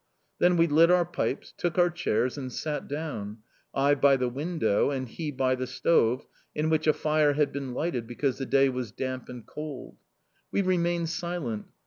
Then we lit our pipes, took our chairs, and sat down I by the window, and he by the stove, in which a fire had been lighted because the day was damp and cold. We remained silent.